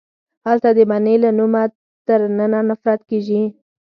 هلته د بنې له نومه تر ننه نفرت کیږي